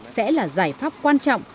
sẽ là giải pháp quan trọng